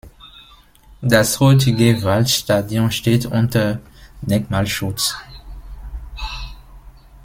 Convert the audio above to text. Das heutige Waldstadion steht unter Denkmalschutz.